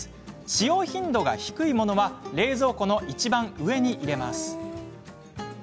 使用頻度が低いものは冷蔵庫のいちばん上に入れます。